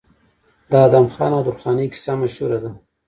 د ادم خان او درخانۍ کیسه مشهوره ده.